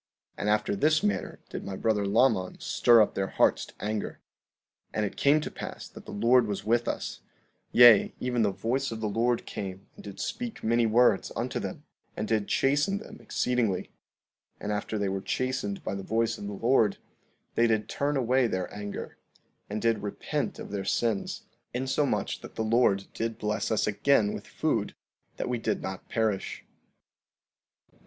And after this manner did my brother Laman stir up their hearts to anger. 16:39 And it came to pass that the Lord was with us, yea, even the voice of the Lord came and did speak many words unto them, and did chasten them exceedingly; and after they were chastened by the voice of the Lord they did turn away their anger, and did repent of their sins, insomuch that the Lord did bless us again with food, that we did not perish.